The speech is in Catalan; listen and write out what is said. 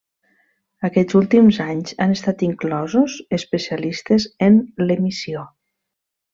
Aquests últims anys, han estat inclosos especialistes en l'emissió.